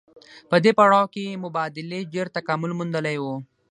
په دې پړاو کې مبادلې ډېر تکامل موندلی وو